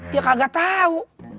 ya kagak tau